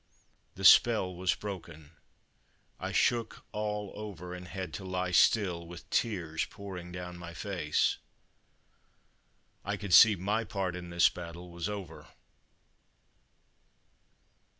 The spell was broken. I shook all over, and had to lie still, with tears pouring down my face. I could see my part in this battle was over.